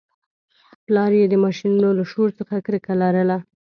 پلار یې د ماشینونو له شور څخه کرکه لرله